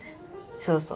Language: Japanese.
そうそう。